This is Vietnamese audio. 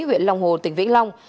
huyện long hồ tỉnh vĩnh long